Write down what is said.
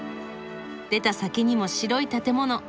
出た先にも白い建物。